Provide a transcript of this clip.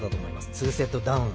２セットダウン。